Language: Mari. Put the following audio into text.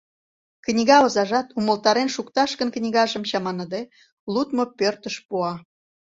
Книга озажат, умылтарен шукташ гын, книгажым, чаманыде, лудмо пӧртыш пуа.